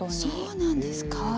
そうなんですか。